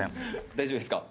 大丈夫ですか？